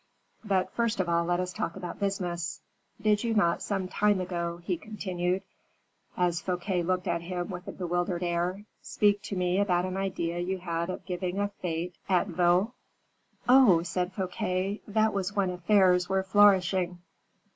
But first of all let us talk about business. Did you not some time ago," he continued, as Fouquet looked at him with a bewildered air, "speak to me about an idea you had of giving a fete at Vaux?" "Oh!" said Fouquet, "that was when affairs were flourishing."